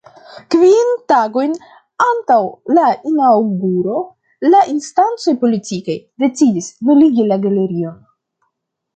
Kvin tagojn antaŭ la inaŭguro la instancoj politikaj decidis nuligi la galerion.